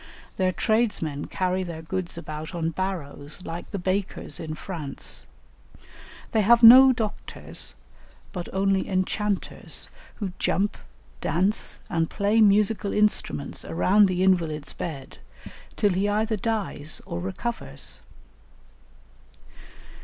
Their tradesmen carry their goods about on barrows like the bakers in France. They have no doctors, but only enchanters, who jump, dance, and play musical instruments around the invalid's bed till he either dies or recovers. [Illustration: Marco Polo in the midst of the forests.